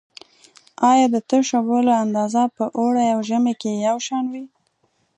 آیا د تشو بولو اندازه په اوړي او ژمي کې یو شان وي؟